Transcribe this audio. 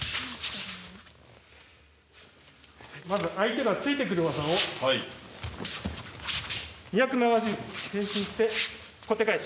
まず相手が突いてくる技を２７０度転身して小手返し。